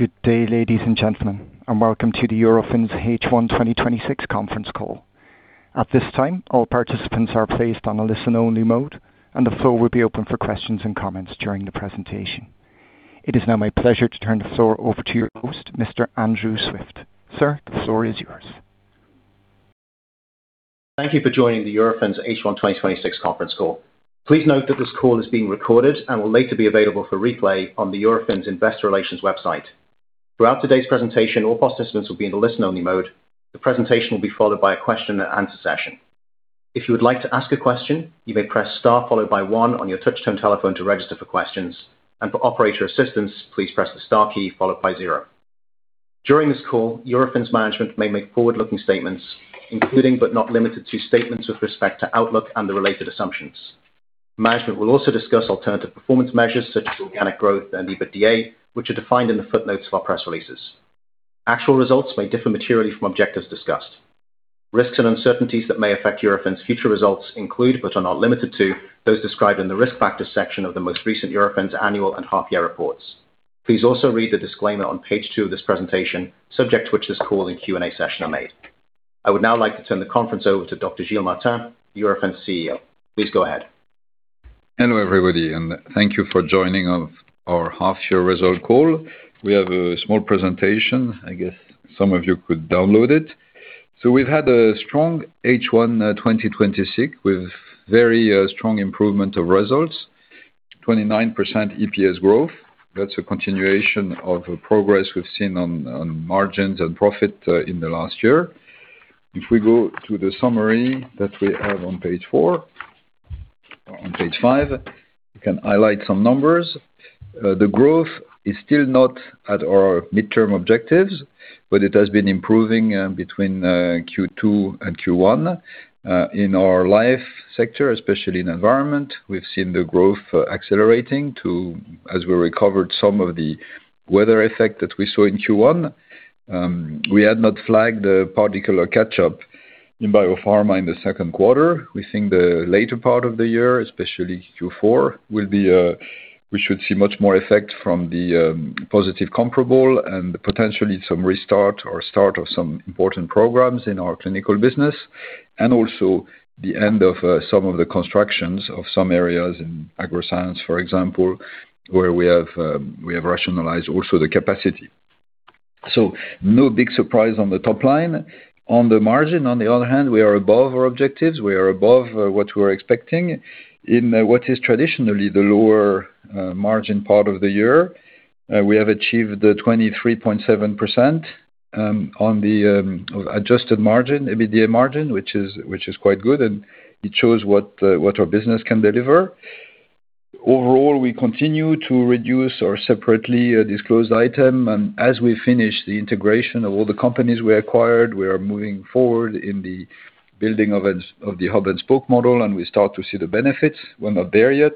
Good day, ladies and gentlemen, and welcome to the Eurofins H1 2026 conference call. At this time, all participants are placed on a listen-only mode, and the floor will be open for questions and comments during the presentation. It is now my pleasure to turn the floor over to your host, Mr. Andrew Swift sir, the floor is yours. Thank you for joining the Eurofins H1 2026 conference call. Please note that this call is being recorded and will later be available for replay on the Eurofins investor relations website. Throughout today's presentation, all participants will be in the listen-only mode. The presentation will be followed by a question and answer session. If you would like to ask a question, you may press star followed by one on your touch-tone telephone to register for questions. For operator assistance, please press the star key followed by zero. During this call, Eurofins management may make forward-looking statements including but not limited to statements with respect to outlook and the related assumptions. Management will also discuss alternative performance measures such as organic growth and EBITDA, which are defined in the footnotes of our press releases. Actual results may differ materially from objectives discussed. Risks and uncertainties that may affect Eurofins' future results include but are not limited to those described in the risk factors section of the most recent Eurofins annual and half year reports. Please also read the disclaimer on page two of this presentation, subject to which this call and Q&A session are made. I would now like to turn the conference over to Dr. Gilles Martin, Eurofins Chief Executive Officer. Please go ahead. Hello, everybody, and thank you for joining our half-year result call. We have a small presentation. I guess some of you could download it. We've had a strong H1 2026 with very strong improvement of results, 29% EPS growth. That's a continuation of progress we've seen on margins and profit in the last year. If we go to the summary that we have on page four. On page five, you can highlight some numbers. The growth is still not at our midterm objectives, but it has been improving between Q2 and Q1. In our life sector, especially in environment, we've seen the growth accelerating too, as we recovered some of the weather effect that we saw in Q1. We had not flagged a particular catch-up in Biopharma in the second quarter. We think the later part of the year, especially Q4, we should see much more effect from the positive comparable and potentially some restart or start of some important programs in our clinical business. Also the end of some of the constructions of some areas in agroscience, for example, where we have rationalized also the capacity. No big surprise on the top line. On the margin, on the other hand, we are above our objectives. We are above what we were expecting in what is traditionally the lower margin part of the year. We have achieved the 23.7% on the adjusted margin, EBITDA margin, which is quite good, and it shows what our business can deliver. Overall, we continue to reduce our separately disclosed item. As we finish the integration of all the companies we acquired, we are moving forward in the building of the hub and spoke model, and we start to see the benefits. We're not there yet.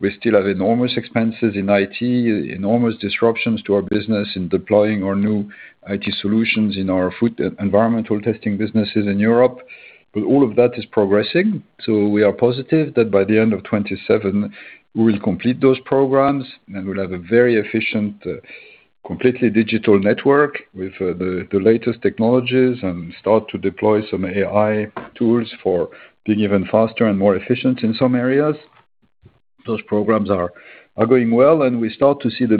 We still have enormous expenses in IT, enormous disruptions to our business in deploying our new IT solutions in our food environmental testing businesses in Europe. All of that is progressing, so we are positive that by the end of 2027, we will complete those programs, and we'll have a very efficient, completely digital network with the latest technologies and start to deploy some AI tools for being even faster and more efficient in some areas. Those programs are going well, and we start to see them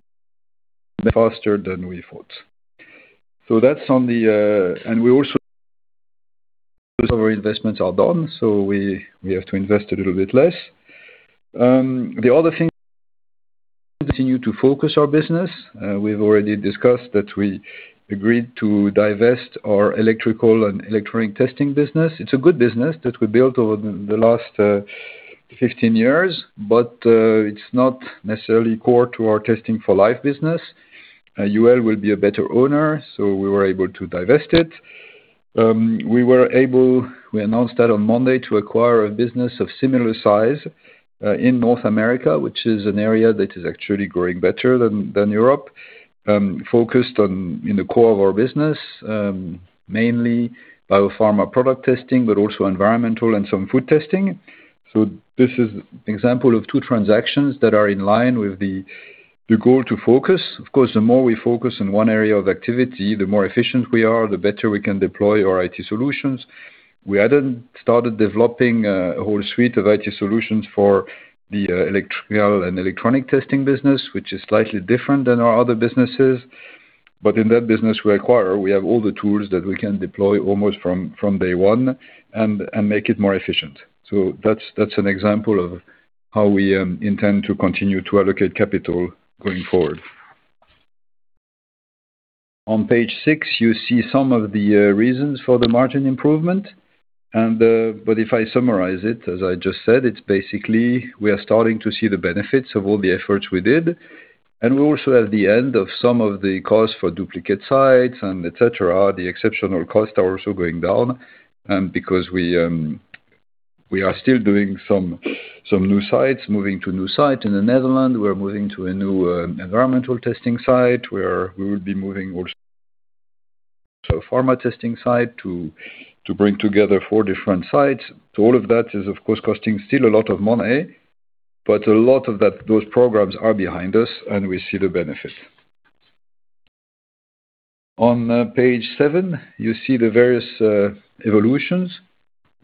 faster than we thought. We also our investments are done, we have to invest a little bit less. The other thing, continue to focus our business. We've already discussed that we agreed to divest our electrical and electronic testing business. It's a good business that we built over the last 15 years, but it's not necessarily core to our testing for life business. UL will be a better owner, we were able to divest it. We announced that on Monday to acquire a business of similar size, in North America, which is an area that is actually growing better than Europe, focused in the core of our business, mainly Biopharma Product Testing, but also environmental and some food testing. This is example of two transactions that are in line with the goal to focus. Of course, the more we focus on one area of activity, the more efficient we are, the better we can deploy our IT solutions. We hadn't started developing a whole suite of IT solutions for the electrical and electronic testing business, which is slightly different than our other businesses. In that business we acquire, we have all the tools that we can deploy almost from day one and make it more efficient. That's an example of how we intend to continue to allocate capital going forward. On page six, you see some of the reasons for the margin improvement. If I summarize it, as I just said, it's basically we are starting to see the benefits of all the efforts we did, and we also have the end of some of the costs for duplicate sites and et cetera. The exceptional costs are also going down, because we are still doing some new sites, moving to a new site in the Netherlands. We are moving to a new environmental testing site where we will be moving also a pharma testing site to bring together four different sites. All of that is, of course, costing still a lot of money, but a lot of those programs are behind us, and we see the benefit. On page seven, you see the various evolutions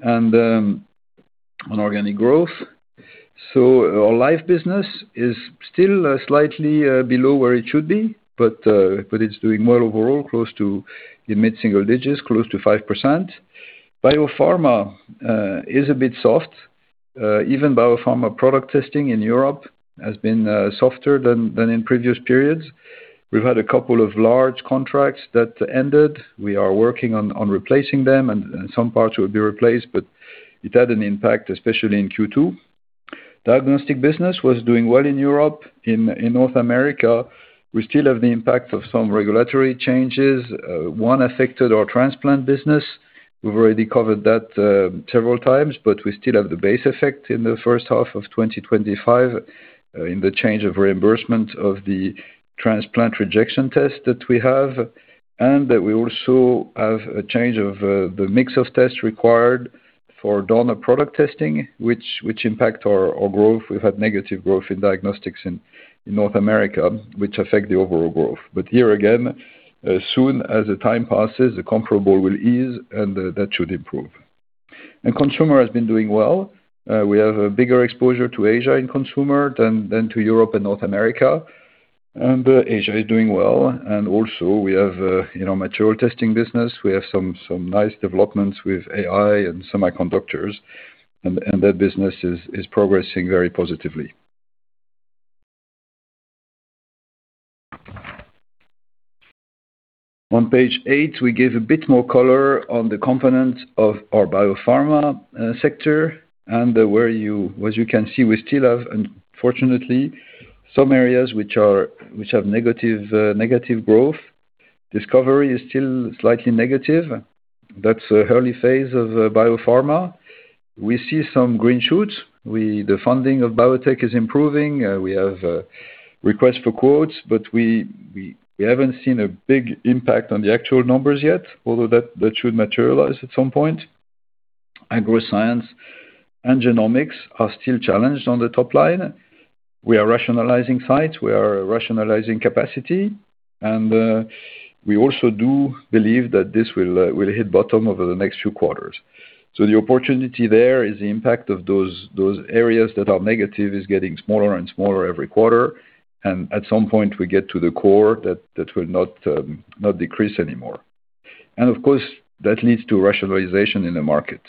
and on organic growth. Our life business is still slightly below where it should be, but it is doing well overall, close to the mid-single digits, close to 5%. Biopharma is a bit soft. Even Biopharma Product Testing in Europe has been softer than in previous periods. We have had a couple of large contracts that ended. We are working on replacing them, and some parts will be replaced, but it had an impact, especially in Q2. Diagnostics business was doing well in Europe. In North America, we still have the impact of some regulatory changes. One affected our transplant business. We have already covered that several times, but we still have the base effect in the first half of 2025 in the change of reimbursement of the transplant rejection test that we have, and that we also have a change of the mix of tests required for donor product testing, which impact our growth. We have had negative growth in diagnostics in North America, which affect the overall growth. Here again, as soon as the time passes, the comparable will ease, and that should improve. Consumer has been doing well. We have a bigger exposure to Asia in consumer than to Europe and North America. Asia is doing well. Also we have material testing business. We have some nice developments with AI and semiconductors, and that business is progressing very positively. On page eight, we give a bit more color on the components of our Biopharma sector, and as you can see, we still have, unfortunately, some areas which have negative growth. Discovery is still slightly negative. That is the early phase of Biopharma. We see some green shoots. The funding of biotech is improving. We have requests for quotes, but we have not seen a big impact on the actual numbers yet, although that should materialize at some point. Agroscience and Genomics are still challenged on the top line. We are rationalizing sites, we are rationalizing capacity, and we also do believe that this will hit bottom over the next few quarters. The opportunity there is the impact of those areas that are negative is getting smaller and smaller every quarter. At some point, we get to the core that that will not decrease anymore. Of course, that leads to rationalization in the market.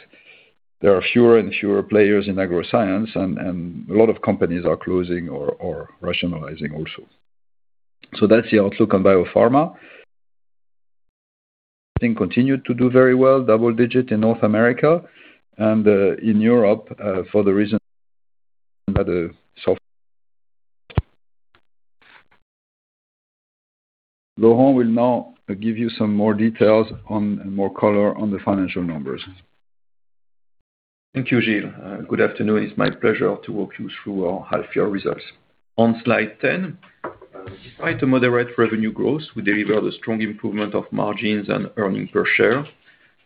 There are fewer and fewer players in Agroscience, and a lot of companies are closing or rationalizing also. That is the outlook on Biopharma. Things continue to do very well, double digit in North America and in Europe for the reason that software. Laurent will now give you some more details and more color on the financial numbers. Thank you, Gilles. Good afternoon. It is my pleasure to walk you through our half year results. On slide 10, despite the moderate revenue growth, we delivered a strong improvement of margins and earnings per share.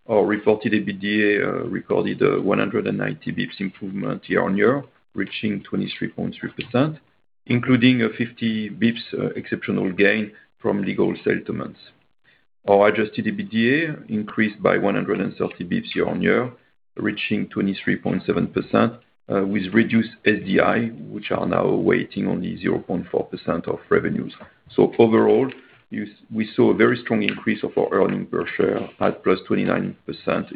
Our reported EBITDA recorded 190 basis points improvement year-on-year, reaching 23.3%, including a 50 basis points exceptional gain from legal settlements. Our adjusted EBITDA increased by 130 basis points year-on-year, reaching 23.7%, with reduced SDI, which are now weighting only 0.4% of revenues. Overall, we saw a very strong increase of our earnings per share at +29%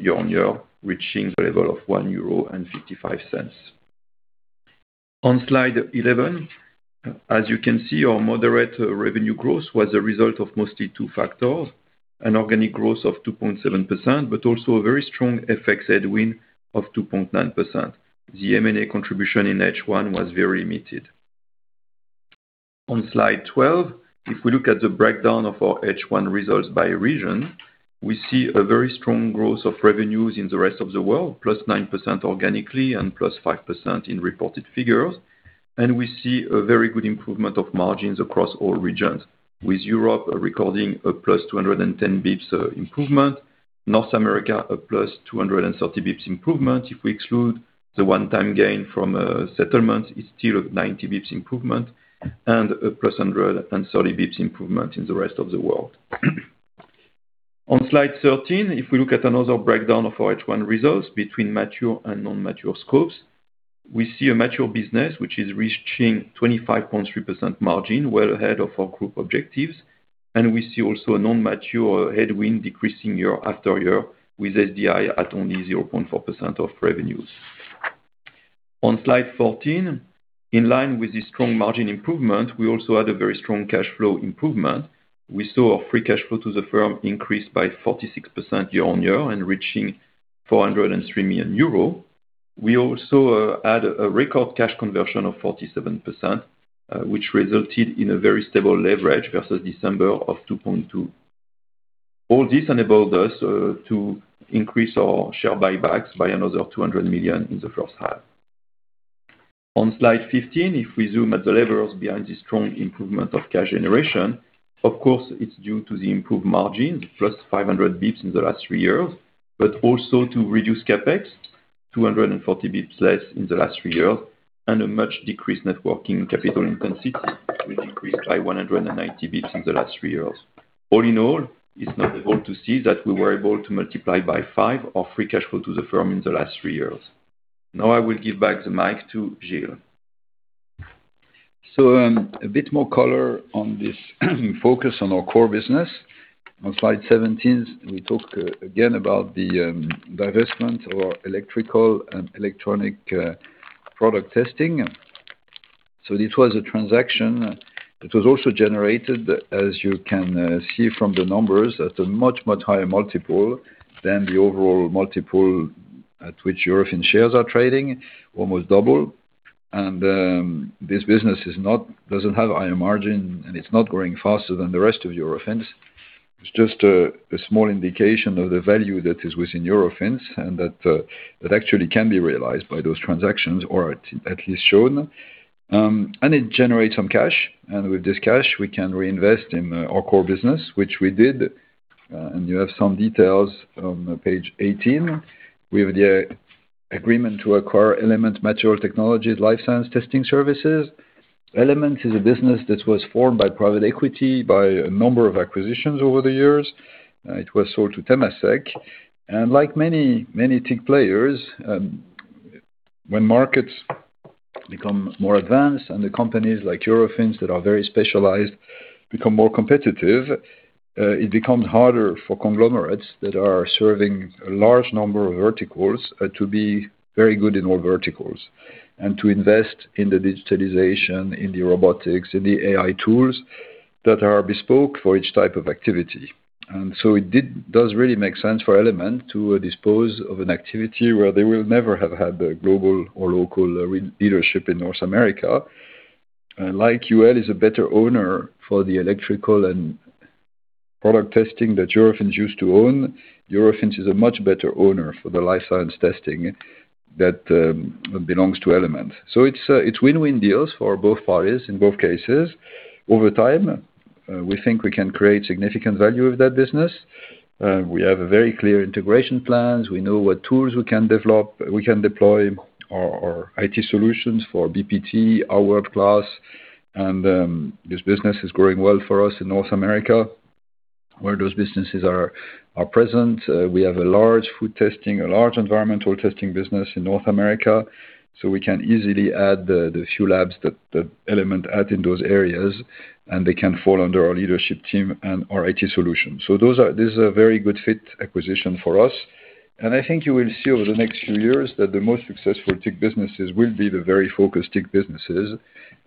year-on-year, reaching a level of 1.55 euro. On slide 11, as you can see, our moderate revenue growth was a result of mostly two factors, an organic growth of 2.7%, but also a very strong FX headwind of 2.9%. The M&A contribution in H1 was very limited. On slide 12, if we look at the breakdown of our H1 results by region, we see a very strong growth of revenues in the rest of the world, +9% organically and +5% in reported figures. We see a very good improvement of margins across all regions, with Europe recording a +210 basis points improvement, North America a +230 basis points improvement. If we exclude the one-time gain from settlements, it is still a 90 basis points improvement and a +130 basis points improvement in the rest of the world. On slide 13, if we look at another breakdown of our H1 results between mature and non-mature scopes, we see a mature business which is reaching 25.3% margin, well ahead of our group objectives, and we see also a non-mature headwind decreasing year after year with SDI at only 0.4% of revenues. On slide 14, in line with the strong margin improvement, we also had a very strong cash flow improvement. We saw our free cash flow to the firm increase by 46% year-on-year and reaching 403 million euro. We also had a record cash conversion of 47%, which resulted in a very stable leverage versus December of 2.2. All this enabled us to increase our share buybacks by another 200 million in the first half. On slide 15, if we zoom at the levers behind this strong improvement of cash generation, of course, it is due to the improved margin, +500 basis points in the last three years, but also to reduce CapEx 240 basis points less in the last three years and a much decreased net working capital intensity, which we decreased by 190 basis points in the last three years. All in all, it is not difficult to see that we were able to multiply by five our free cash flow to the firm in the last three years. Now I will give back the mic to Gilles. A bit more color on this focus on our core business. On slide 17, we talk again about the divestment of electrical and electronic product testing. This was a transaction that was also generated, as you can see from the numbers, at a much, much higher multiple than the overall multiple at which Eurofins shares are trading, almost double. This business doesn't have higher margin, and it's not growing faster than the rest of Eurofins. It's just a small indication of the value that is within Eurofins and that actually can be realized by those transactions or at least shown. It generates some cash. With this cash, we can reinvest in our core business, which we did. You have some details on page 18. We have the agreement to acquire Element Materials Technology's Life Science Testing Services. Element is a business that was formed by private equity by a number of acquisitions over the years. It was sold to Temasek. Like many TIC players, when markets become more advanced and the companies like Eurofins that are very specialized become more competitive, it becomes harder for conglomerates that are serving a large number of verticals to be very good in all verticals and to invest in the digitalization, in the robotics, in the AI tools that are bespoke for each type of activity. It does really make sense for Element to dispose of an activity where they will never have had the global or local leadership in North America. Like UL Solutions Inc. is a better owner for the electrical and electronic testing that Eurofins used to own, Eurofins is a much better owner for the life science testing that belongs to Element. It's win-win deals for both parties in both cases. Over time, we think we can create significant value of that business. We have very clear integration plans. We know what tools we can deploy, our IT solutions for BPT are world-class. This business is growing well for us in North America, where those businesses are present. We have a large food testing, a large environmental testing business in North America, so we can easily add the few labs that Element add in those areas, and they can fall under our leadership team and our IT solutions. This is a very good fit acquisition for us. I think you will see over the next few years that the most successful TIC businesses will be the very focused TIC businesses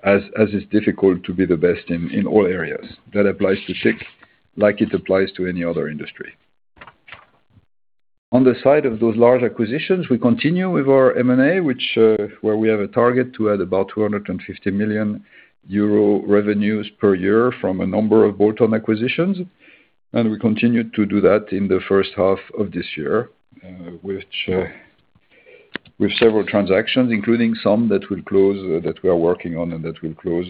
as it's difficult to be the best in all areas. That applies to TIC like it applies to any other industry. On the side of those large acquisitions, we continue with our M&A, where we have a target to add about 250 million euro revenues per year from a number of bolt-on acquisitions. We continued to do that in the first half of this year, with several transactions, including some that we are working on and that will close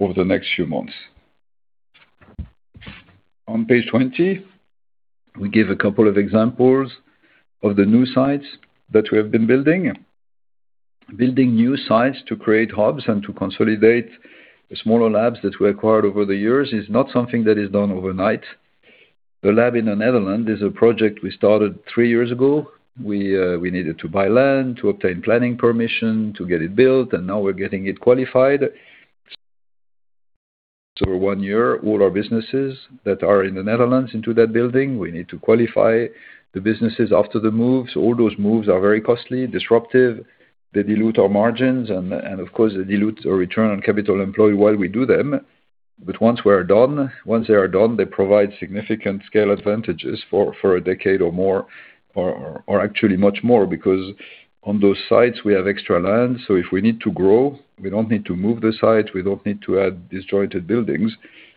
over the next few months. On page 20, we give a couple of examples of the new sites that we have been building. Building new sites to create hubs and to consolidate the smaller labs that we acquired over the years is not something that is done overnight. The lab in the Netherlands is a project we started three years ago. We needed to buy land, to obtain planning permission, to get it built, and now we're getting it qualified. For one year, all our businesses that are in the Netherlands into that building, we need to qualify the businesses after the moves. All those moves are very costly, disruptive. They dilute our margins and of course they dilute our return on capital employed while we do them. Once we're done, they provide significant scale advantages for a decade or more or actually much more because on those sites we have extra land, if we need to grow, we don't need to move the site, we don't need to add disjointed buildings.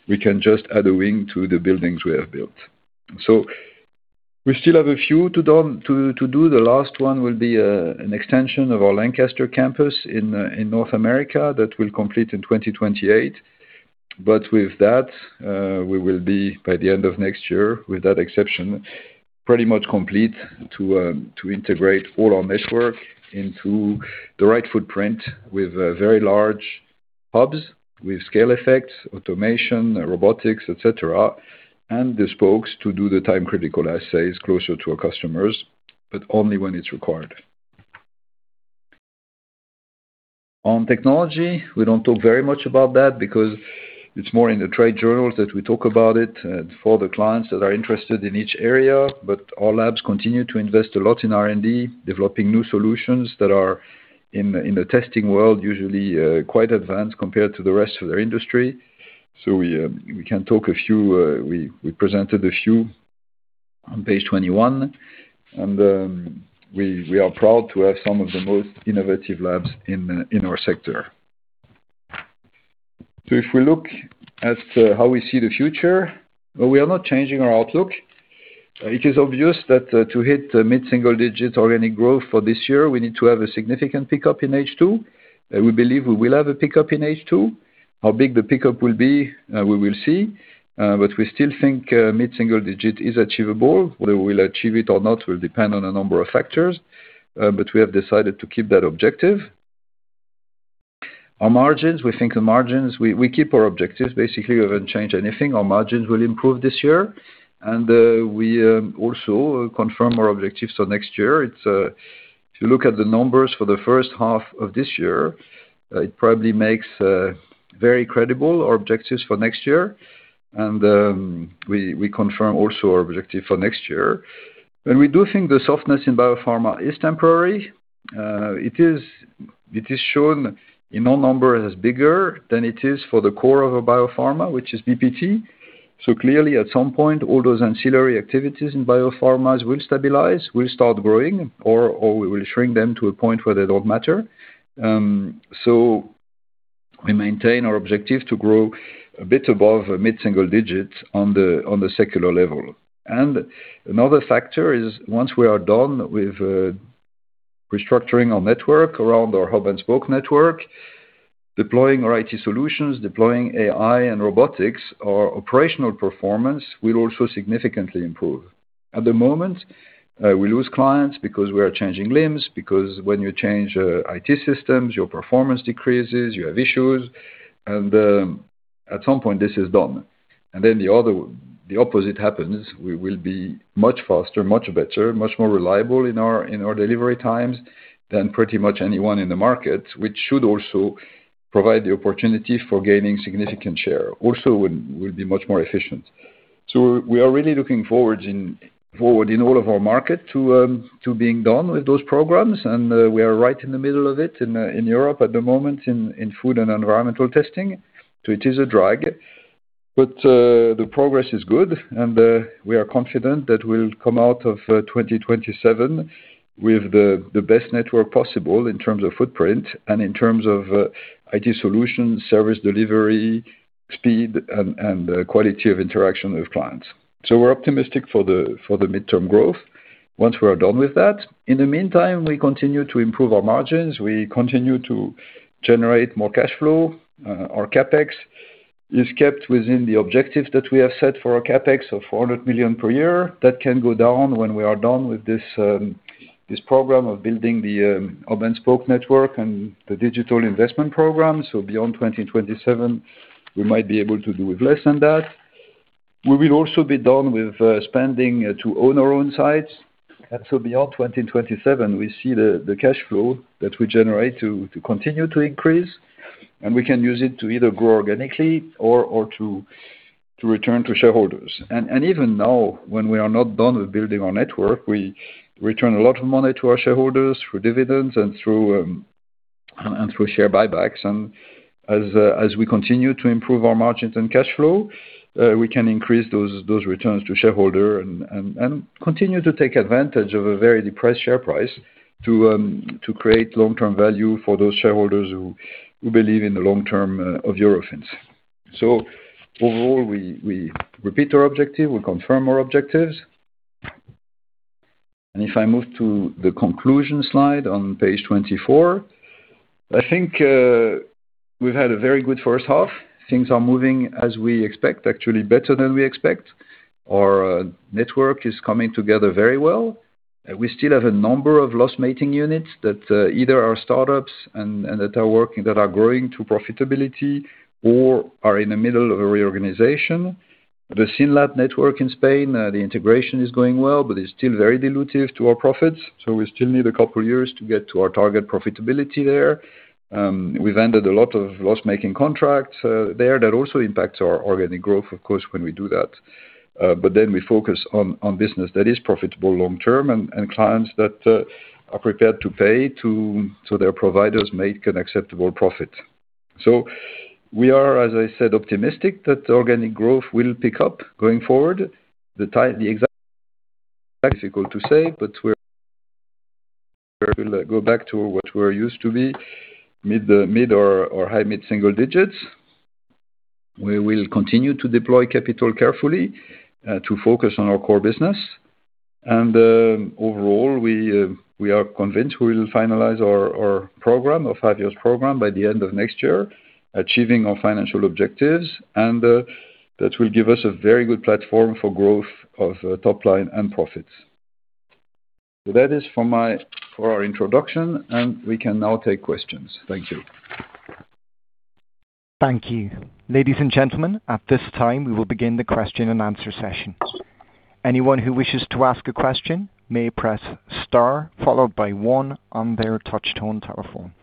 We can just add a wing to the buildings we have built. We still have a few to do. The last one will be an extension of our Lancaster campus in North America that will complete in 2028. With that, we will be by the end of next year, with that exception, pretty much complete to integrate all our network into the right footprint with very large hubs, with scale effects, automation, robotics, et cetera, and the spokes to do the time-critical assays closer to our customers, but only when it's required. On technology, we don't talk very much about that because it's more in the trade journals that we talk about it for the clients that are interested in each area. Our labs continue to invest a lot in R&D, developing new solutions that are in the testing world usually quite advanced compared to the rest of their industry. We presented a few on page 21, and we are proud to have some of the most innovative labs in our sector. If we look at how we see the future, we are not changing our outlook. It is obvious that to hit mid-single-digit organic growth for this year, we need to have a significant pickup in H2. We believe we will have a pickup in H2. How big the pickup will be, we will see. We still think mid-single-digit is achievable. Whether we'll achieve it or not will depend on a number of factors. We have decided to keep that objective. Our margins, we keep our objectives. Basically, we haven't changed anything. Our margins will improve this year, and we also confirm our objectives for next year. If you look at the numbers for the first half of this year, it probably makes very credible our objectives for next year. We confirm also our objective for next year. We do think the softness in Biopharma is temporary. It is shown in our number as bigger than it is for the core of a Biopharma, which is BPT. Clearly, at some point, all those ancillary activities in Biopharmas will stabilize, will start growing, or we will shrink them to a point where they don't matter. We maintain our objective to grow a bit above mid-single-digits on the secular level. Another factor is once we are done with restructuring our network around our hub-and-spoke network, deploying our IT solutions, deploying AI and robotics, our operational performance will also significantly improve. At the moment, we lose clients because we are changing LIMS, because when you change IT systems, your performance decreases, you have issues, and at some point, this is done. Then the opposite happens. We will be much faster, much better, much more reliable in our delivery times than pretty much anyone in the market, which should also provide the opportunity for gaining significant share, also will be much more efficient. We are really looking forward in all of our market to being done with those programs, and we are right in the middle of it in Europe at the moment in food testing and environmental testing. It is a drag, but the progress is good, and we are confident that we'll come out of 2027 with the best network possible in terms of footprint and in terms of IT solutions, service delivery, speed, and quality of interaction with clients. We're optimistic for the midterm growth once we are done with that. In the meantime, we continue to improve our margins. We continue to generate more cash flow. Our CapEx is kept within the objectives that we have set for our CapEx of 400 million per year. That can go down when we are done with this program of building the hub-and-spoke network and the digital investment program. Beyond 2027, we might be able to do with less than that. We will also be done with spending to own our own sites. Beyond 2027, we see the cash flow that we generate to continue to increase, and we can use it to either grow organically or to return to shareholders. Even now, when we are not done with building our network, we return a lot of money to our shareholders through dividends and through share buybacks. As we continue to improve our margins and cash flow, we can increase those returns to shareholder and continue to take advantage of a very depressed share price to create long-term value for those shareholders who believe in the long term of Eurofins. Overall, we repeat our objective, we confirm our objectives. If I move to the conclusion slide on page 24, I think we've had a very good first half. Things are moving as we expect, actually better than we expect. Our network is coming together very well. We still have a number of loss-making units that either are startups and that are growing to profitability or are in the middle of a reorganization. The SYNLAB network in Spain, the integration is going well, but it's still very dilutive to our profits. We still need a couple of years to get to our target profitability there. We've ended a lot of loss-making contracts there. That also impacts our organic growth, of course, when we do that. We focus on business that is profitable long term and clients that are prepared to pay so their providers make an acceptable profit. We are, as I said, optimistic that organic growth will pick up going forward. The time, the exact [timing] is equal to say, but we'll go back to what we're used to be, mid or high mid-single digits. We will continue to deploy capital carefully to focus on our core business. Overall, we are convinced we will finalize our program, our five-year program by the end of next year, achieving our financial objectives, and that will give us a very good platform for growth of top line and profits. That is for our introduction, and we can now take questions. Thank you. Thank you. Ladies and gentlemen, at this time, we will begin the question and answer session. Anyone who wishes to ask a question may press star followed by one on their touch-tone telephone.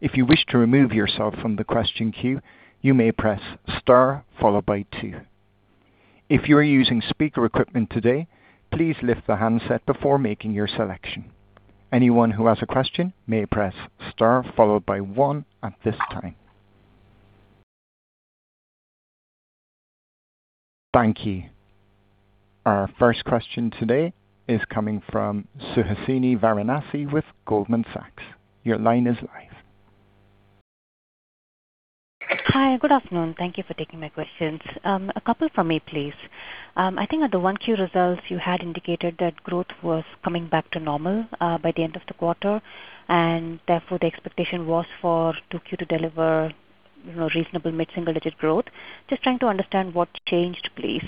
If you wish to remove yourself from the question queue, you may press star followed by two. If you are using speaker equipment today, please lift the handset before making your selection. Anyone who has a question may press star followed by one at this time. Thank you. Our first question today is coming from Suhasini Varanasi with Goldman Sachs. Your line is live. Hi. Good afternoon. Thank you for taking my questions. A couple from me, please. I think at the 1Q results, you had indicated that growth was coming back to normal by the end of the quarter, and therefore, the expectation was for 2Q to deliver reasonable mid-single-digit growth. Just trying to understand what changed, please.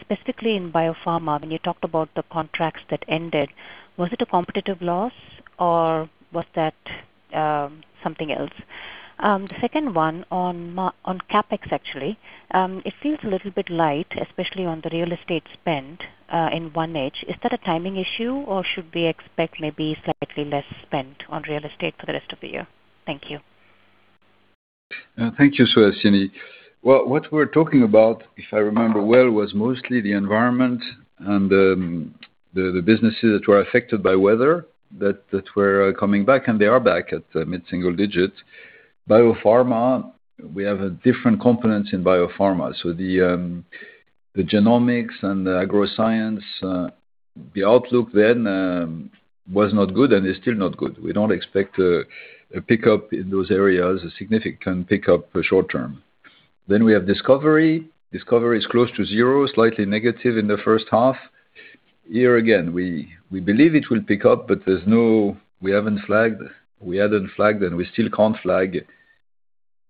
Specifically in Biopharma, when you talked about the contracts that ended, was it a competitive loss or was that something else? The second one on CapEx actually. It seems a little bit light, especially on the real estate spend in 1H. Is that a timing issue or should we expect maybe slightly less spend on real estate for the rest of the year? Thank you. Thank you, Suhasini. What we're talking about, if I remember well, was mostly the environment and the businesses that were affected by weather that were coming back, and they are back at mid-single digits. Biopharma, we have a different component in Biopharma. The genomics and the agroscience, the outlook then was not good and is still not good. We don't expect a pickup in those areas, a significant pickup for short term. We have discovery. Discovery is close to zero, slightly negative in the first half. Here again, we believe it will pick up, but we hadn't flagged and we still can't flag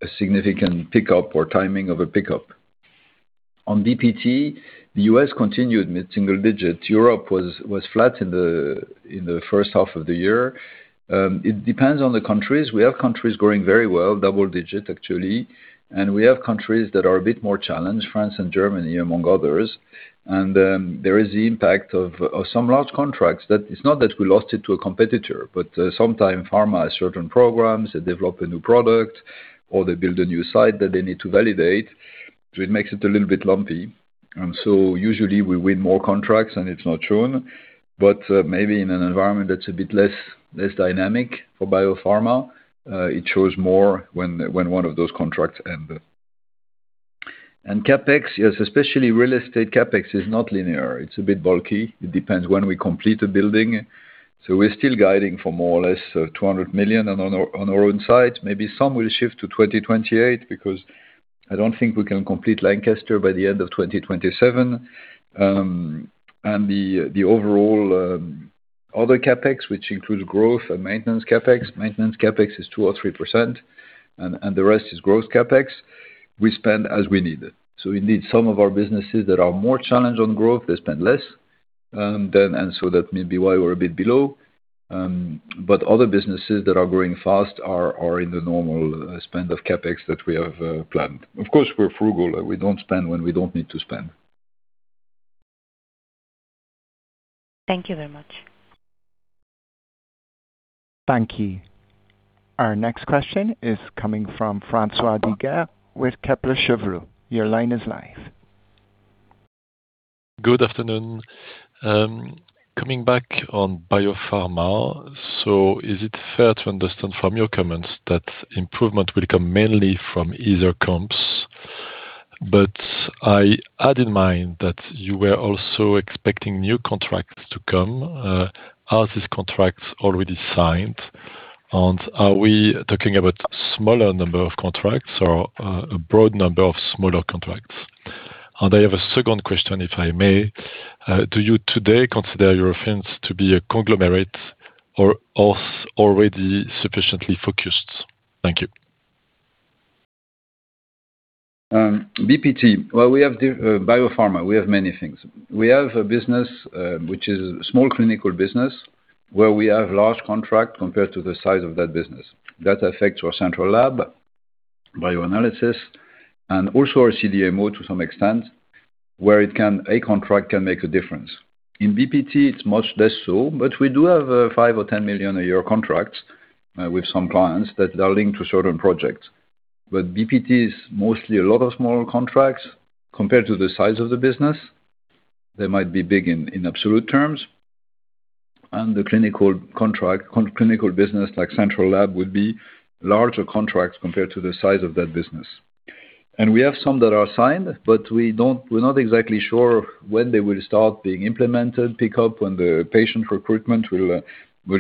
a significant pickup or timing of a pickup. On BPT, the U.S. continued mid-single digits. Europe was flat in the first half of the year. It depends on the countries. We have countries growing very well, double digits actually, we have countries that are a bit more challenged, France and Germany among others. There is the impact of some large contracts that it's not that we lost it to a competitor, but sometimes pharma has certain programs, they develop a new product, or they build a new site that they need to validate, it makes it a little bit lumpy. Usually we win more contracts and it's not shown. Maybe in an environment that's a bit less dynamic for Biopharma, it shows more when one of those contracts end. CapEx, yes, especially real estate CapEx is not linear. It's a bit bulky. It depends when we complete a building. We're still guiding for more or less 200 million on our own site. Maybe some will shift to 2028 because I don't think we can complete Lancaster by the end of 2027. The overall other CapEx, which includes growth and maintenance CapEx, maintenance CapEx is 2% or 3%, and the rest is growth CapEx. We spend as we need it. Indeed some of our businesses that are more challenged on growth, they spend less, that may be why we're a bit below. Other businesses that are growing fast are in the normal spend of CapEx that we have planned. Of course, we're frugal. We don't spend when we don't need to spend. Thank you very much. Thank you. Our next question is coming from François Digard with Kepler Cheuvreux. Your line is live. Good afternoon. Coming back on Biopharma, is it fair to understand from your comments that improvement will come mainly from easier comps? I had in mind that you were also expecting new contracts to come. Are these contracts already signed? Are we talking about smaller number of contracts or a broad number of smaller contracts? I have a second question, if I may. Do you today consider Eurofins to be a conglomerate or already sufficiently focused? Thank you. BPT. We have Biopharma. We have many things. We have a business, which is a small clinical business where we have large contract compared to the size of that business. That affects our central lab, bioanalysis, and also our CDMO to some extent, where a contract can make a difference. In BPT, it's much less so, we do have five or 10 million-a-year contracts with some clients that are linked to certain projects. BPT is mostly a lot of small contracts compared to the size of the business. They might be big in absolute terms. The clinical business, like central lab, would be larger contracts compared to the size of that business. We have some that are signed, but we're not exactly sure when they will start being implemented, pick up when the patient recruitment will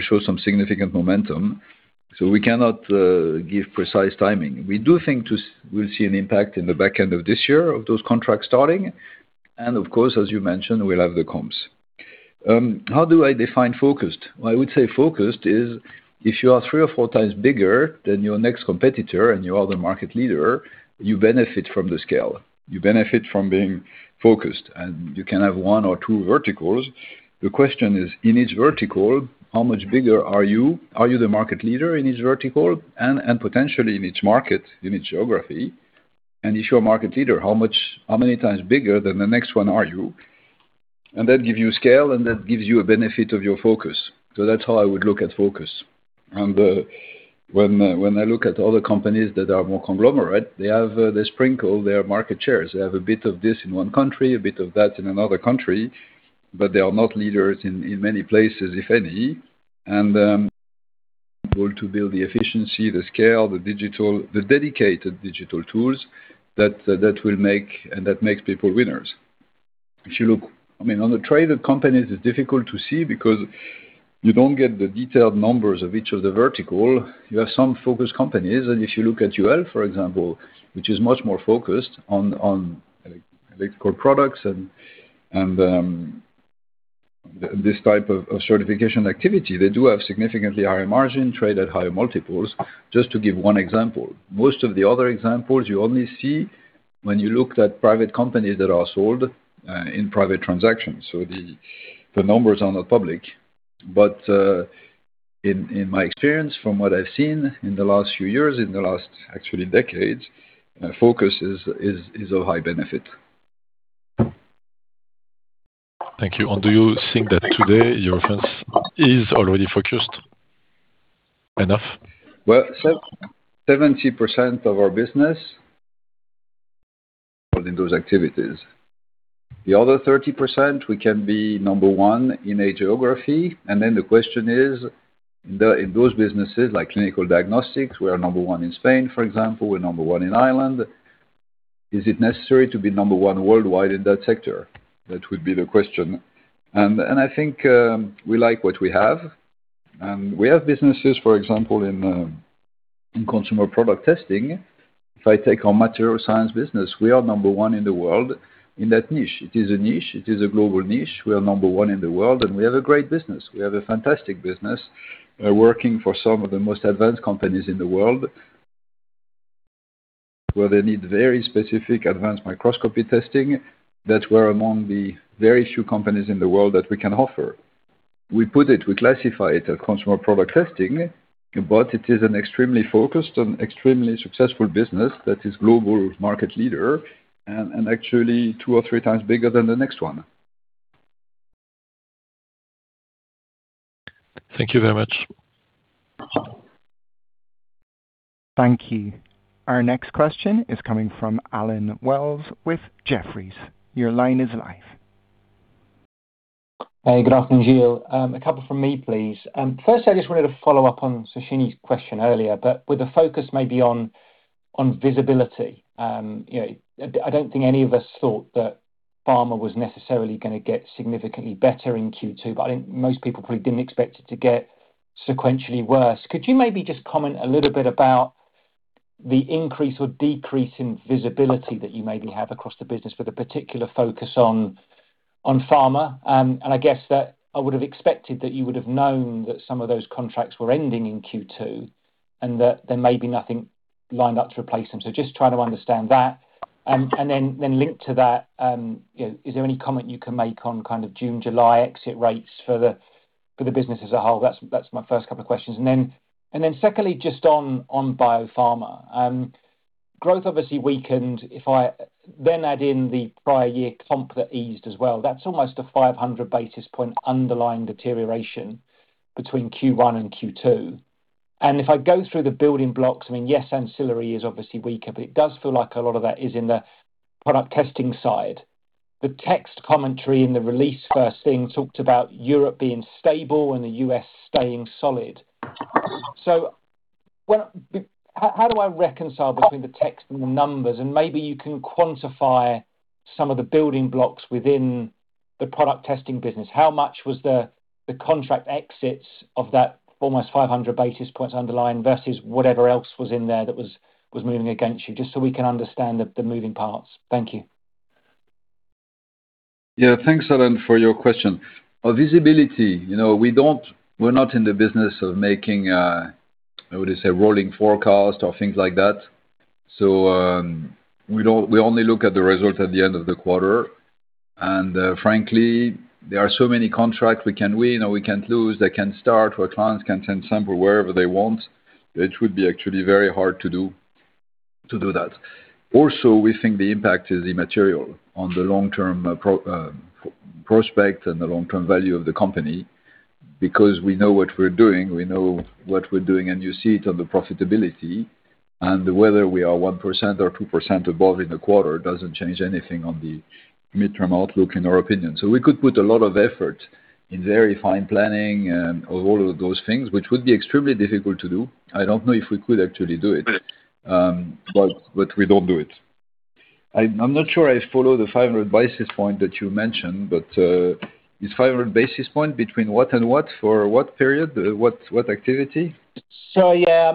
show some significant momentum. We cannot give precise timing. We do think we'll see an impact in the back end of this year of those contracts starting, and of course, as you mentioned, we'll have the comps. How do I define focused? I would say focused is if you are three or four times bigger than your next competitor and your other market leader, you benefit from the scale. You benefit from being focused, and you can have one or two verticals. The question is, in each vertical, how much bigger are you? Are you the market leader in each vertical and potentially in each market, in each geography? If you're a market leader, how many times bigger than the next one are you? That gives you scale and that gives you a benefit of your focus. That's how I would look at focus. When I look at other companies that are more conglomerate, they sprinkle their market shares. They have a bit of this in one country, a bit of that in another country, they are not leaders in many places, if any. People to build the efficiency, the scale, the digital, the dedicated digital tools that makes people winners. If you look on the traded companies, it's difficult to see because you don't get the detailed numbers of each of the vertical. You have some focused companies, if you look at UL, for example, which is much more focused on electrical products and this type of certification activity. They do have significantly higher margin, trade at higher multiples, just to give one example. Most of the other examples you only see when you looked at private companies that are sold in private transactions. The numbers are not public. In my experience, from what I've seen in the last few years, in the last actually decades, focus is a high benefit. Thank you. Do you think that today Eurofins is already focused enough? 70% of our business fall in those activities. The other 30%, we can be number one in a geography, the question is, in those businesses like clinical diagnostics, we are number one in Spain, for example. We're number one in Ireland. Is it necessary to be number one worldwide in that sector? That would be the question. I think we like what we have. We have businesses, for example, in consumer product testing. If I take our material science business, we are number one in the world in that niche. It is a niche. It is a global niche. We are number one in the world, and we have a great business. We have a fantastic business working for some of the most advanced companies in the world where they need very specific advanced microscopy testing. That we're among the very few companies in the world that we can offer. We put it, we classify it a consumer product testing, it is an extremely focused and extremely successful business that is global market leader and actually two or three times bigger than the next one. Thank you very much. Thank you. Our next question is coming from Allen Wells with Jefferies. Your line is live. Hey, good afternoon, Gilles. A couple from me, please. First I just wanted to follow up on Suhasini's question earlier, but with a focus maybe on visibility. I don't think any of us thought that pharma was necessarily going to get significantly better in Q2, but I think most people probably didn't expect it to get sequentially worse. Could you maybe just comment a little bit about the increase or decrease in visibility that you maybe have across the business with a particular focus on pharma? Just trying to understand that. Then linked to that, is there any comment you can make on kind of June, July exit rates for the business as a whole? That's my first couple of questions. Then secondly, just on Biopharma. Growth obviously weakened. If I then add in the prior year comp that eased as well, that's almost a 500 basis points underlying deterioration between Q1 and Q2. If I go through the building blocks, yes, ancillary is obviously weaker, but it does feel like a lot of that is in the product testing side. The text commentary in the release first thing talked about Europe being stable and the U.S. staying solid. How do I reconcile between the text and the numbers? Maybe you can quantify some of the building blocks within the product testing business. How much was the contract exits of that almost 500 basis points underlying versus whatever else was in there that was moving against you, just so we can understand the moving parts. Thank you. Thanks, Allen, for your question. On visibility, we're not in the business of making, how would I say, rolling forecast or things like that. We only look at the result at the end of the quarter. Frankly, there are so many contracts we can win or we can lose, that can start, where clients can send sample wherever they want. It would be actually very hard to do that. Also, we think the impact is immaterial on the long-term prospect and the long-term value of the company because we know what we're doing, and you see it on the profitability. Whether we are 1% or 2% above in the quarter doesn't change anything on the mid-term outlook, in our opinion. We could put a lot of effort in very fine planning and all of those things, which would be extremely difficult to do. I don't know if we could actually do it, but we don't do it. I'm not sure I follow the 500 basis point that you mentioned, but is 500 basis point between what and what? For what period? What activity? Yeah.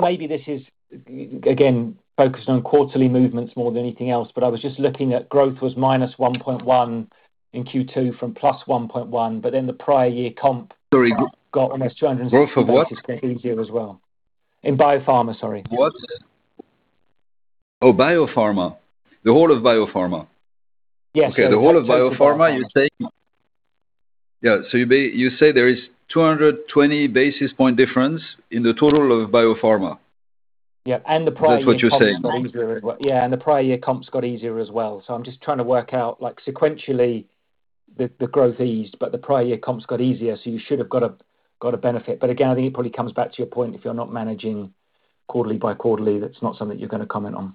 Maybe this is, again, focused on quarterly movements more than anything else, but I was just looking at growth was -1.1% in Q2 from +1.1%, but then the prior year comps. Sorry Got almost 270 basis easier as well. In Biopharma, sorry. What? Oh, Biopharma. The whole of Biopharma? Yes. Okay. The whole of Biopharma, you're saying, you say there is 220 basis point difference in the total of Biopharma? The prior year comps. That's what you're saying. Yeah, The prior year comps got easier as well. I'm just trying to work out sequentially the growth eased, but the prior year comps got easier, so you should have got a benefit. Again, I think it probably comes back to your point, if you're not managing quarterly by quarterly, that's not something you're going to comment on.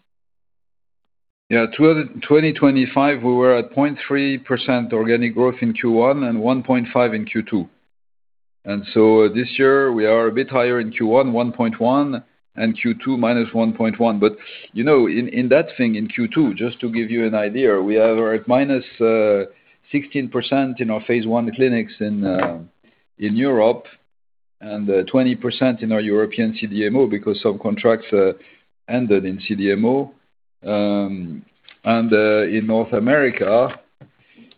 2025, we were at 0.3% organic growth in Q1, 1.5% in Q2. This year we are a bit higher in Q1, 1.1%, Q2 -1.1%. In that thing, in Q2, just to give you an idea, we are at -16% in our phase I clinics in Europe, 20% in our European CDMO because some contracts ended in CDMO. In North America,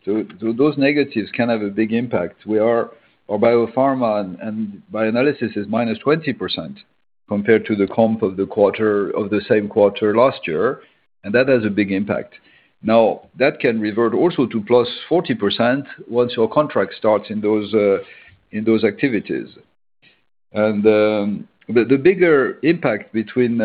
those negatives can have a big impact. Our Biopharma and bioanalysis is minus 20% compared to the comp of the same quarter last year, that has a big impact. That can revert also to +40% once your contract starts in those activities. The bigger impact between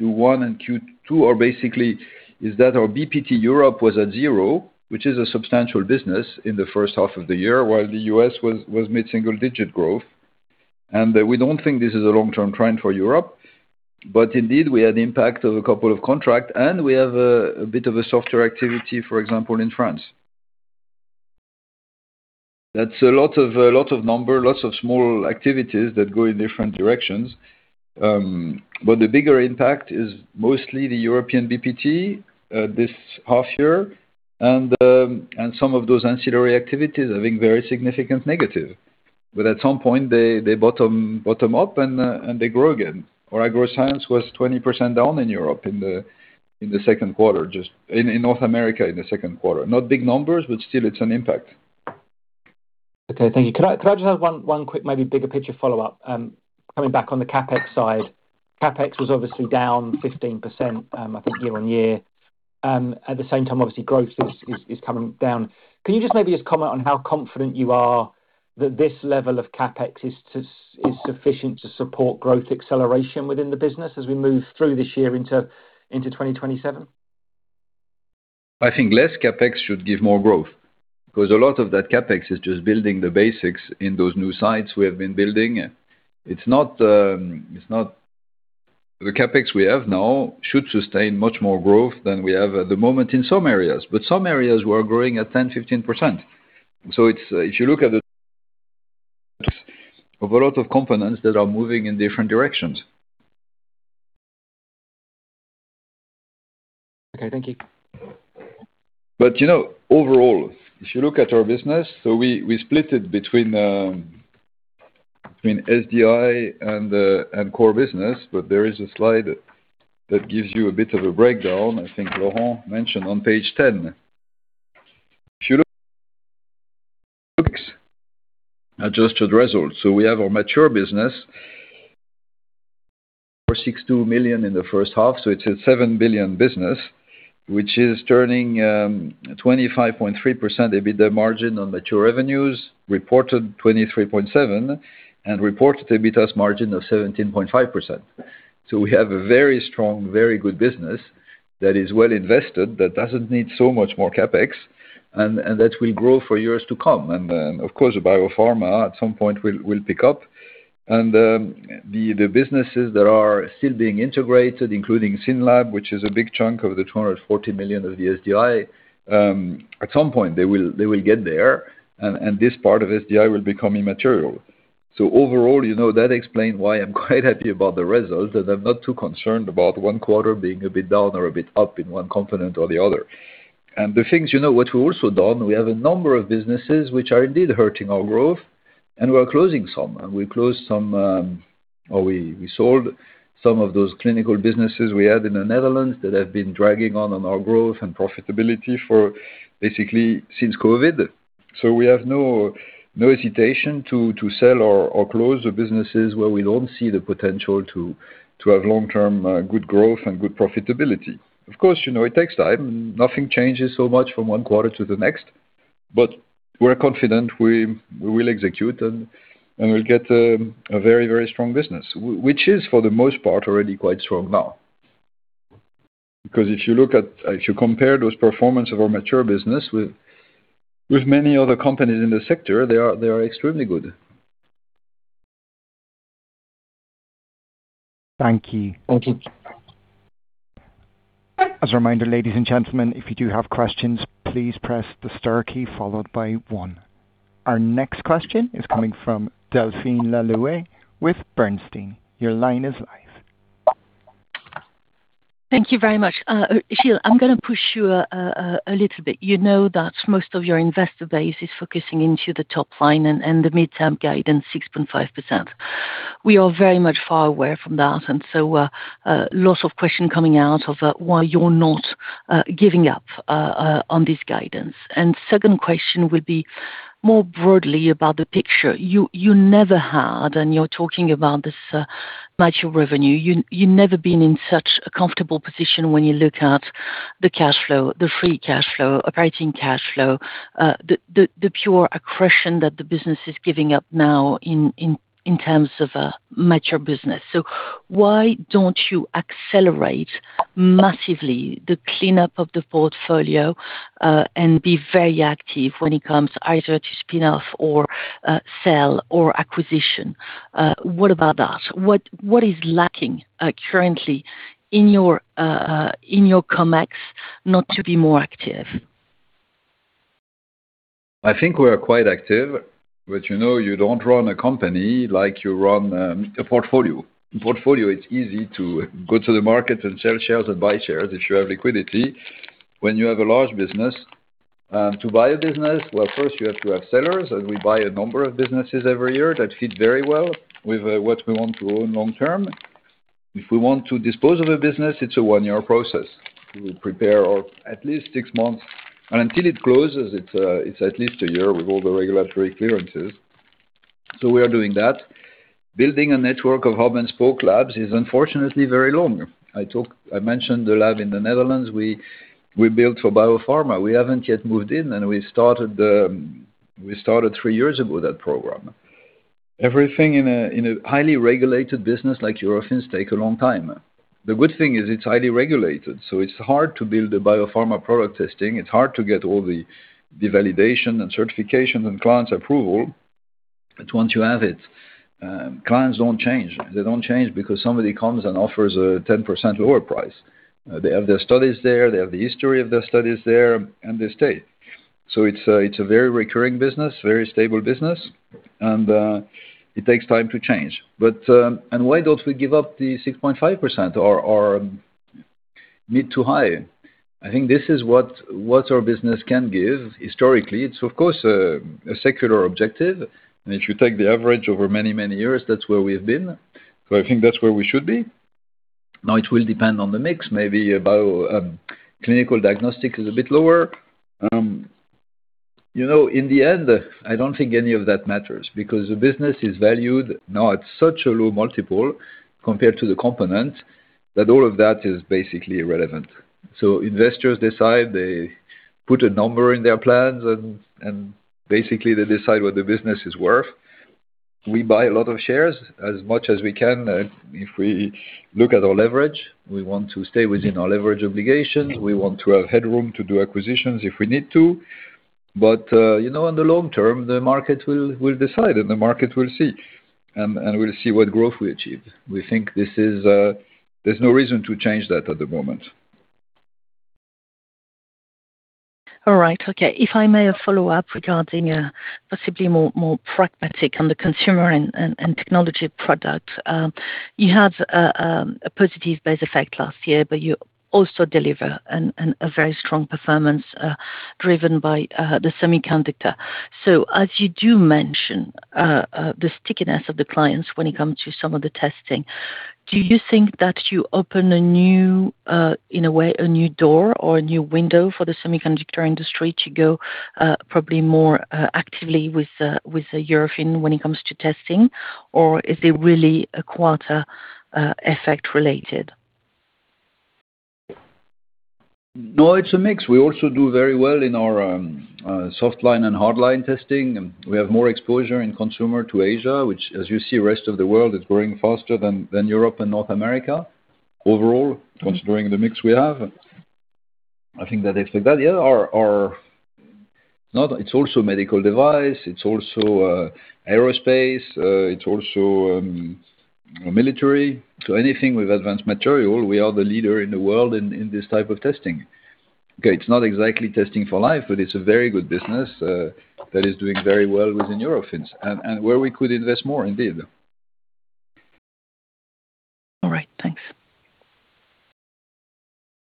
Q1 and Q2 is basically that our BPT Europe was at 0, which is a substantial business in the first half of the year, while the U.S. was mid-single digit growth. We don't think this is a long-term trend for Europe, indeed we had the impact of a couple of contract, we have a bit of a softer activity, for example, in France. That's a lot of number, lots of small activities that go in different directions. The bigger impact is mostly the European BPT this half year, some of those ancillary activities are being very significant negative. At some point they bottom out, they grow again. Agroscience was 20% down in Europe in the second quarter, in North America in the second quarter. Not big numbers, still it's an impact. Okay, thank you. Could I just have one quick, maybe bigger picture follow-up? Coming back on the CapEx side, CapEx was obviously down 15%, I think year-over-year. At the same time, obviously growth is coming down. Can you just maybe just comment on how confident you are that this level of CapEx is sufficient to support growth acceleration within the business as we move through this year into 2027? I think less CapEx should give more growth, because a lot of that CapEx is just building the basics in those new sites we have been building. The CapEx we have now should sustain much more growth than we have at the moment in some areas, but some areas we're growing at 10%, 15%. If you look at a lot of components that are moving in different directions. Okay, thank you. Overall, if you look at our business, we split it between SDI and core business, but there is a slide that gives you a bit of a breakdown, I think Laurent mentioned on page 10. Adjusted results. We have our mature business for 6.2 billion in the first half, it's a 7 billion business, which is turning 25.3% EBITDA margin on mature revenues, reported 23.7% and reported EBITA margin of 17.5%. We have a very strong, very good business that is well invested, that doesn't need so much more CapEx, and that will grow for years to come. Then, of course, Biopharma at some point will pick up. The businesses that are still being integrated, including SYNLAB, which is a big chunk of the 240 million of the SDI, at some point they will get there and this part of SDI will become immaterial. Overall, that explain why I'm quite happy about the results and I'm not too concerned about one quarter being a bit down or a bit up in one component or the other. The things we've also done, we have a number of businesses which are indeed hurting our growth, and we're closing some. We closed some, or we sold some of those clinical businesses we had in the Netherlands that have been dragging on our growth and profitability for basically since COVID. We have no hesitation to sell or close the businesses where we don't see the potential to have long-term good growth and good profitability. Of course, it takes time. Nothing changes so much from one quarter to the next, but we're confident we will execute and we'll get a very strong business, which is for the most part, already quite strong now. Because if you compare those performance of our mature business with many other companies in the sector, they are extremely good. Thank you. Thank you. As a reminder, ladies and gentlemen, if you do have questions, please press the star key followed by one. Our next question is coming from Delphine Le Louët with Bernstein. Your line is live. Thank you very much. Gilles, I'm going to push you a little bit. You know that most of your investor base is focusing into the top line and the midterm guidance, 6.5%. We are very much far away from that, lots of questions coming out of why you're not giving up on this guidance. Second question would be more broadly about the picture. You never had, and you're talking about this mature revenue. You never been in such a comfortable position when you look at the cash flow, the free cash flow, operating cash flow, the pure accretion that the business is giving up now in terms of a mature business. Why don't you accelerate massively the cleanup of the portfolio, and be very active when it comes either to spin-off or sell or acquisition? What about that? What is lacking currently in your COMEX not to be more active? I think we are quite active, you don't run a company like you run a portfolio. In portfolio, it's easy to go to the market and sell shares and buy shares if you have liquidity. When you have a large business, to buy a business, well, first you have to have sellers, and we buy a number of businesses every year that fit very well with what we want to own long-term. If we want to dispose of a business, it's a one-year process. We will prepare at least six months, until it closes, it's at least a year with all the regulatory clearances. We are doing that. Building a network of hub and spoke labs is unfortunately very long. I mentioned the lab in the Netherlands we built for Biopharma. We haven't yet moved in, and we started three years ago, that program. Everything in a highly regulated business like Eurofins takes a long time. The good thing is it's highly regulated, it's hard to build a Biopharma Product Testing. It's hard to get all the validation and certification and clients' approval. Once you have it, clients don't change. They don't change because somebody comes and offers a 10% lower price. They have their studies there, they have the history of their studies there, and they stay. It's a very recurring business, very stable business, and it takes time to change. Why don't we give up the 6.5% or mid to high? I think this is what our business can give historically. It's of course a secular objective, and if you take the average over many, many years, that's where we have been. I think that's where we should be. Now, it will depend on the mix. Maybe clinical diagnostics is a bit lower. In the end, I don't think any of that matters because the business is valued now at such a low multiple compared to the component that all of that is basically irrelevant. Investors decide, they put a number in their plans, basically, they decide what the business is worth. We buy a lot of shares as much as we can. If we look at our leverage, we want to stay within our leverage obligations. We want to have headroom to do acquisitions if we need to. In the long term, the market will decide, the market will see, we'll see what growth we achieved. We think there's no reason to change that at the moment. All right. Okay. If I may follow up regarding possibly more pragmatic on the consumer and technology product. You had a positive base effect last year, but you also deliver a very strong performance, driven by the semiconductor. As you do mention the stickiness of the clients when it comes to some of the testing, do you think that you open, in a way, a new door or a new window for the semiconductor industry to go probably more actively with Eurofins when it comes to testing? Or is it really a quarter effect related? No, it's a mix. We also do very well in our softline and hardline testing. We have more exposure in consumer to Asia, which, as you see, the rest of the world is growing faster than Europe and North America overall, considering the mix we have. I think that, yeah, it's also medical device. It's also aerospace. It's also military. Anything with advanced material, we are the leader in the world in this type of testing. Okay, it's not exactly testing for life, but it's a very good business that is doing very well within Eurofins and where we could invest more indeed. All right. Thanks.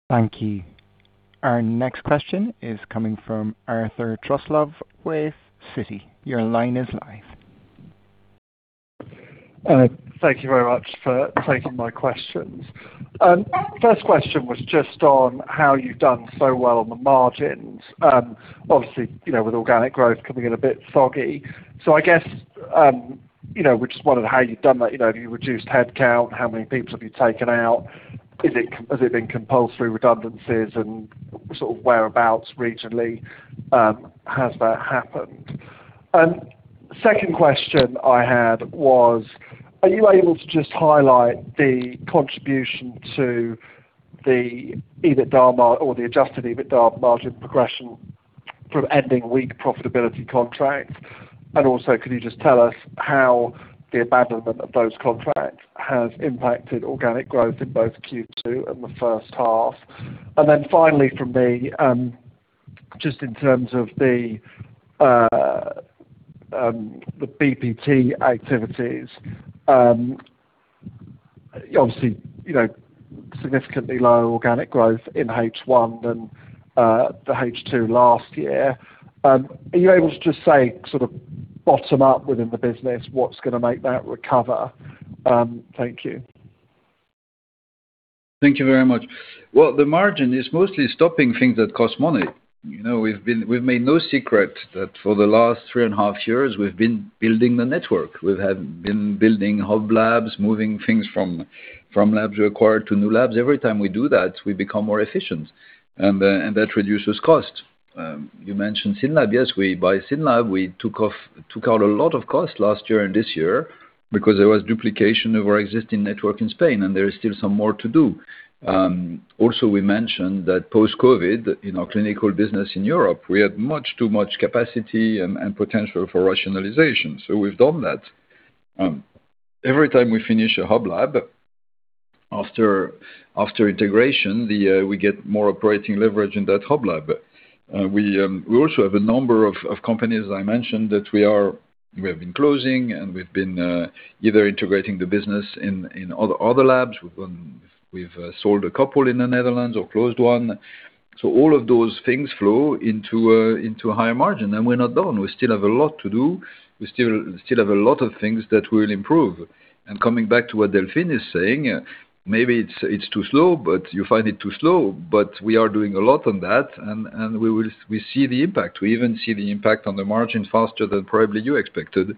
Thank you. Our next question is coming from Arthur Truslove with Citi. Your line is live. Thank you very much for taking my questions. First question was just on how you've done so well on the margins. Obviously, with organic growth coming in a bit foggy. I guess, we just wondered how you've done that. Have you reduced headcount? How many people have you taken out? Has it been compulsory redundancies? Whereabouts regionally has that happened? Second question I had was, are you able to just highlight the contribution to the EBITDA or the adjusted EBITDA margin progression from ending weak profitability contracts? Can you just tell us how the abandonment of those contracts has impacted organic growth in both Q2 and the first half? Finally from me, just in terms of the BPT activities, obviously, significantly lower organic growth in H1 than the H2 last year. Are you able to just say bottom up within the business what's going to make that recover? Thank you. Thank you very much. Well, the margin is mostly stopping things that cost money. We've made no secret that for the last three and a half years, we've been building the network. We have been building hub labs, moving things from labs we acquired to new labs. Every time we do that, we become more efficient, and that reduces cost. You mentioned SYNLAB. Yes, we buy SYNLAB. We took out a lot of cost last year and this year because there was duplication of our existing network in Spain, and there is still some more to do. We mentioned that post-COVID, in our clinical business in Europe, we had much too much capacity and potential for rationalization. We've done that. Every time we finish a hub lab After integration, we get more operating leverage in that hub lab. We also have a number of companies, as I mentioned, that we have been closing and we've been either integrating the business in other labs. We've sold a couple in the Netherlands or closed one. All of those things flow into a higher margin, and we are not done. We still have a lot to do. We still have a lot of things that we will improve. Coming back to what Delphine is saying, maybe it is too slow, but you find it too slow. We are doing a lot on that, and we see the impact. We even see the impact on the margins faster than probably you expected,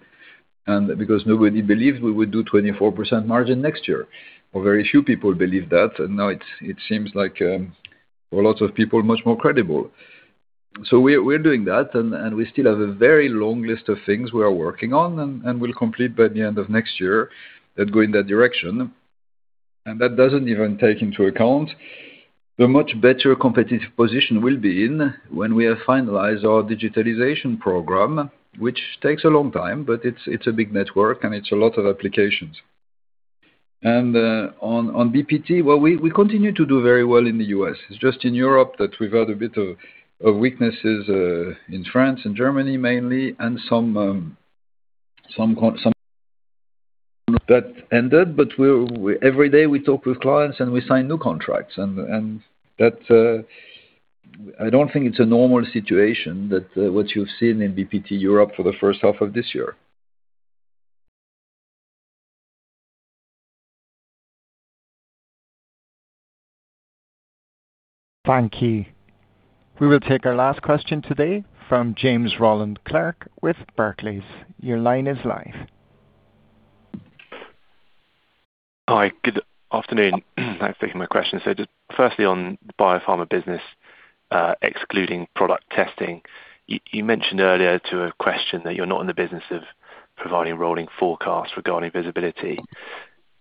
and because nobody believed we would do 24% margin next year, or very few people believe that. Now it seems like, for lots of people, much more credible. We are doing that, and we still have a very long list of things we are working on, and we'll complete by the end of next year that go in that direction. That doesn't even take into account the much better competitive position we'll be in when we have finalized our digitalization program, which takes a long time, but it's a big network and it's a lot of applications. On BPT, well, we continue to do very well in the U.S. It's just in Europe that we've had a bit of weaknesses, in France and Germany mainly, and some that ended. Every day we talk with clients, and we sign new contracts, and I don't think it's a normal situation that what you've seen in BPT Europe for the first half of this year. Thank you. We will take our last question today from James Clark with Barclays. Your line is live. Hi, good afternoon. Thanks for taking my question. Just firstly on the Biopharma business, excluding product testing. You mentioned earlier to a question that you're not in the business of providing rolling forecasts regarding visibility,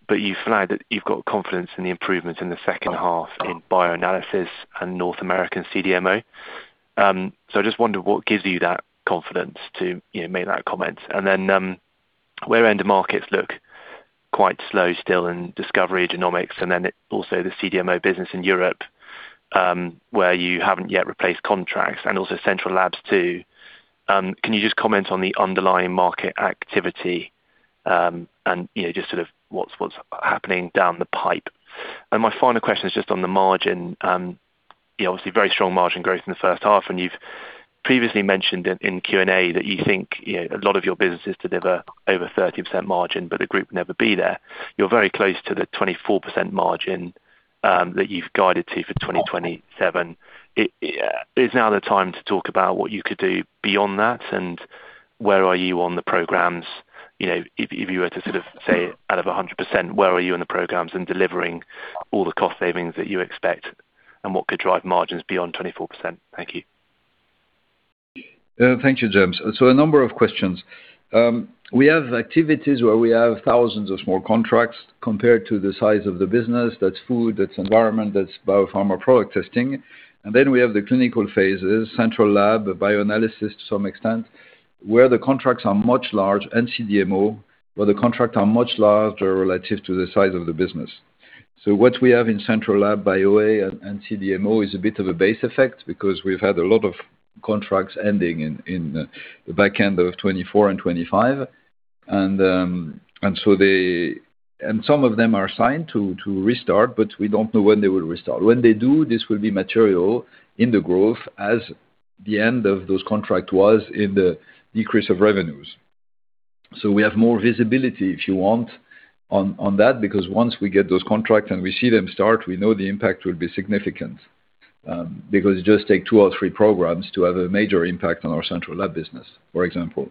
but you flagged that you've got confidence in the improvements in the second half in bioanalysis and North American CDMO. I just wonder what gives you that confidence to make that comment. Then, where end markets look quite slow still in discovery genomics, and then also the CDMO business in Europe, where you haven't yet replaced contracts and also central labs too. Can you just comment on the underlying market activity, and just sort of what's happening down the pipe? My final question is just on the margin. Obviously very strong margin growth in the first half. You've previously mentioned in Q&A that you think a lot of your businesses deliver over 30% margin, but the group will never be there. You're very close to the 24% margin that you've guided to for 2027. Is now the time to talk about what you could do beyond that? Where are you on the programs? If you were to sort of say, out of 100%, where are you in the programs in delivering all the cost savings that you expect, what could drive margins beyond 24%? Thank you. Thank you, James. A number of questions. We have activities where we have thousands of small contracts compared to the size of the business. That's food, that's environment, that's Biopharma Product Testing. Then we have the clinical phases, central lab, bioanalysis to some extent, where the contracts are much large and CDMO, where the contracts are much larger relative to the size of the business. What we have in central lab, BioA and CDMO, is a bit of a base effect because we've had a lot of contracts ending in the back end of 2024 and 2025. Some of them are signed to restart, but we don't know when they will restart. When they do, this will be material in the growth as the end of those contract was in the decrease of revenues. We have more visibility, if you want, on that, because once we get those contracts and we see them start, we know the impact will be significant, because it just take two or three programs to have a major impact on our central lab business, for example.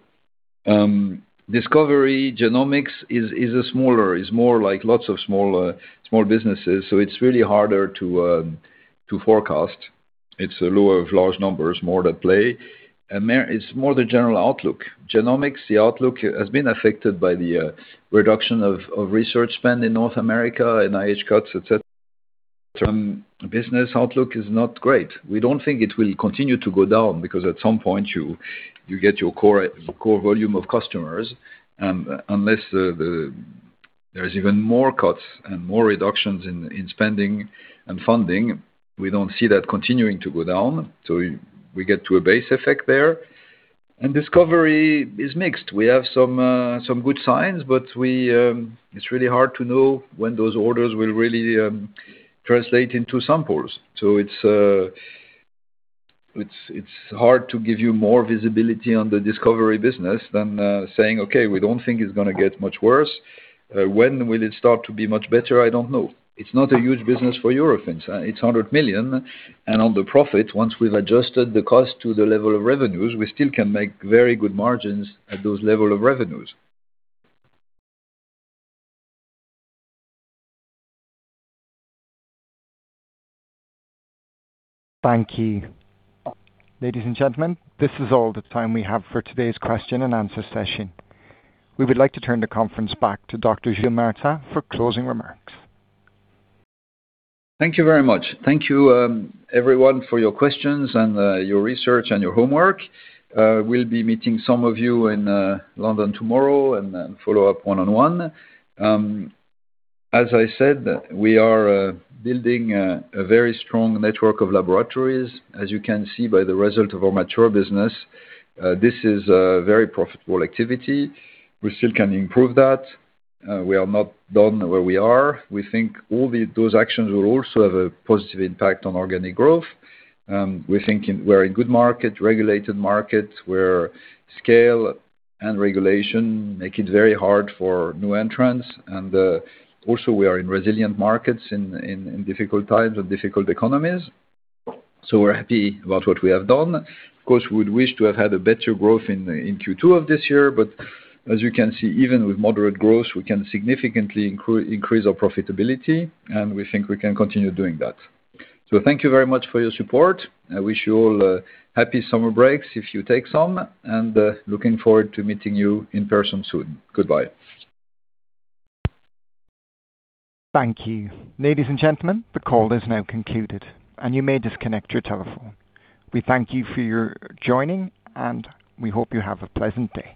Discovery genomics is more like lots of small businesses, it's really harder to forecast. It's a lot of large numbers more to play. It's more the general outlook. Genomics, the outlook has been affected by the reduction of research spend in North America, NIH cuts, et cetera. Business outlook is not great. We don't think it will continue to go down because at some point you get your core volume of customers. Unless there's even more cuts and more reductions in spending and funding, we don't see that continuing to go down. We get to a base effect there. Discovery is mixed. We have some good signs, it's really hard to know when those orders will really translate into samples. It's hard to give you more visibility on the Discovery business than saying, "Okay, we don't think it's gonna get much worse." When will it start to be much better? I don't know. It's not a huge business for Eurofins. It's 100 million. On the profit, once we've adjusted the cost to the level of revenues, we still can make very good margins at those level of revenues. Thank you. Ladies and gentlemen, this is all the time we have for today's question and answer session. We would like to turn the conference back to Dr. Gilles Martin for closing remarks. Thank you very much. Thank you, everyone, for your questions and your research and your homework. We'll be meeting some of you in London tomorrow and then follow up one-on-one. As I said, we are building a very strong network of laboratories. As you can see by the result of our mature business, this is a very profitable activity. We still can improve that. We are not done where we are. We think all those actions will also have a positive impact on organic growth. We're thinking we're a good market, regulated market, where scale and regulation make it very hard for new entrants. Also we are in resilient markets in difficult times and difficult economies. We're happy about what we have done. Of course, we would wish to have had a better growth in Q2 of this year, as you can see, even with moderate growth, we can significantly increase our profitability. We think we can continue doing that. Thank you very much for your support. I wish you all happy summer breaks if you take some, looking forward to meeting you in person soon. Goodbye. Thank you. Ladies and gentlemen, the call is now concluded. You may disconnect your telephone. We thank you for your joining. We hope you have a pleasant day.